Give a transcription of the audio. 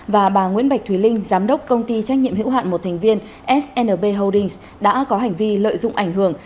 và bà nguyễn bạch thùy linh giám đốc công ty trách nhiệm hữu hạn một thành viên snb holdings đã có hành vi lợi dụng ảnh hưởng